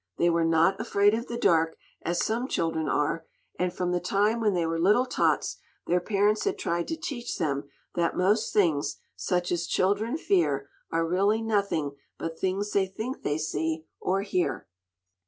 They were not "afraid of the dark," as some children are, and from the time when they were little tots, their parents had tried to teach them that most things, such as children fear, are really nothing but things they think they see, or hear.